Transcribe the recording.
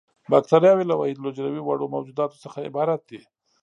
باکټریاوې له وحیدالحجروي وړو موجوداتو څخه عبارت دي.